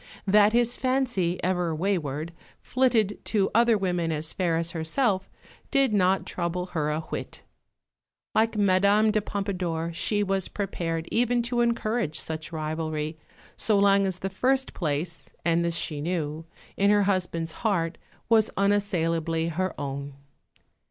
That his fancy, ever wayward, flitted to other women as fair as herself, did not trouble her a whit. Like Madame de Pompadour, she was prepared even to encourage such rivalry, so long as the first place (and this she knew) in her husband's heart was unassailably her own.